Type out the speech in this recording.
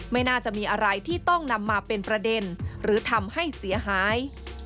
ไม่น่าจะมีอะไรที่ต้องนำมาเป็นประเด็นหรือทำให้เสียหาย